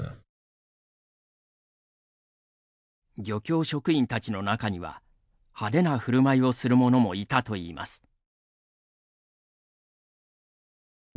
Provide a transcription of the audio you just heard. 漁協職員たちの中には派手なふるまいをする者もいたといいます。